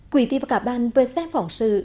quý vị và các bạn vừa xem phỏng sự